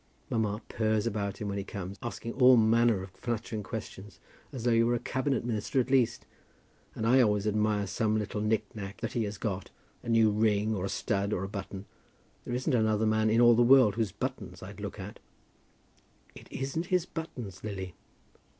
Mamma purrs about him when he comes, asking all manner of flattering questions as though he were a cabinet minister at least, and I always admire some little knicknack that he has got, a new ring, or a stud, or a button. There isn't another man in all the world whose buttons I'd look at." "It isn't his buttons, Lily."